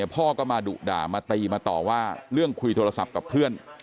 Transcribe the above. พ่อก็มาดุด่ามาตีมาต่อว่าเรื่องคุยโทรศัพท์กับเพื่อน